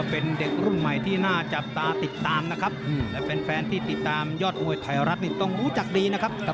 เป็นเด็กรุ่นใหม่ที่น่าจับตาและเป็นแฟนที่ติดตามยอดมวยไทยรัฐต้องรู้จักดี